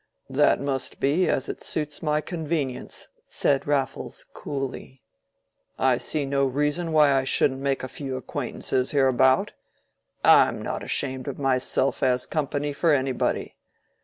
"That must be as it suits my convenience," said Raffles coolly. "I see no reason why I shouldn't make a few acquaintances hereabout. I'm not ashamed of myself as company for anybody.